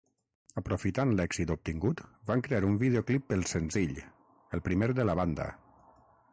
Aprofitant l'èxit obtingut van crear un videoclip pel senzill, el primer de la banda.